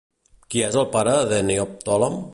Qui és el pare de Neoptòlem?